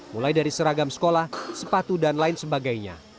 mulai dari seragam sekolah sepatu dan lain sebagainya